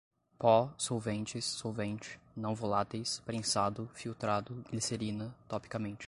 pó, solventes, solvente, não voláteis, prensado, filtrado, glicerina, topicamente